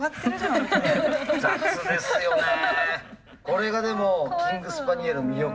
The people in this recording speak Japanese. これがでもキングスパニエルの魅力。